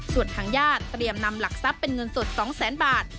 ส่วนทางญาติเตรียมนำหลักทรัพย์เป็นเงินสด๒แสนบาท